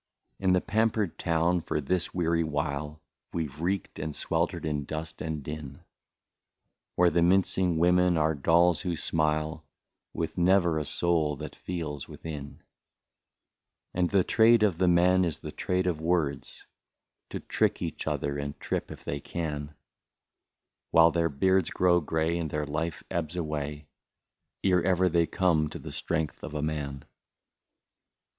^' In the pampered town for this weary while We Ve reeked and sweltered in dust and din, Where the mincing women are dolls who smile, With never a soul that feels within ;" And the trade of the men is the trade of words, To trick each other and trip if they can ; While their beards grow grey, and their life ebbs away, Ere ever they come to the strength of a man.